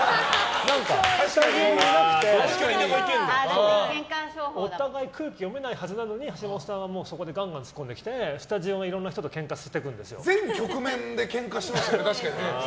スタジオにいなくてお互い空気読めないはずなのに橋下さんはそこでガンガン突っ込んできてスタジオのいろんな人と全局面でケンカしますよね。